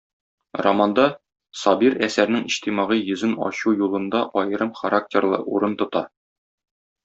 Романда Сабир әсәрнең иҗтимагый йөзен ачу юлында аерым характерлы урын тота.